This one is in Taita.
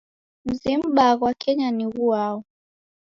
Mzi m'baa ghwa Kenya ni ghuao?